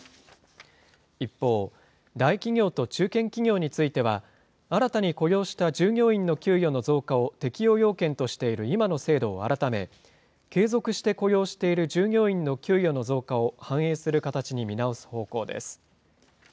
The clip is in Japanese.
一方、大企業と中堅企業については、新たに雇用した従業員の給与の増加を適用要件としている今の制度を改め、継続して雇用している従業員の給与の増加を反映する形に見直す方向です。